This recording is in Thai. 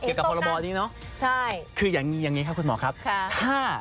เกี่ยวกับภาระบอลนี้เนอะคืออย่างนี้ค่ะคุณหมอครับถ้า